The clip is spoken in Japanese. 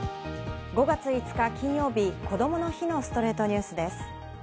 ５月５日、金曜日、こどもの日の『ストレイトニュース』です。